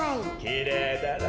きれいだろ？